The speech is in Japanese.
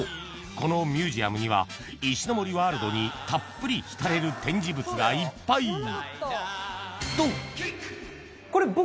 このミュージアムには森ワールドにたっぷり浸れる展示物がいっぱい海僕。